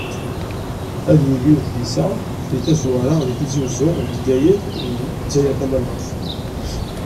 Ad yili udlis-a deg tazwara deg Tizi Uzzu, Bgayet d Lezzayer Tamanaɣt.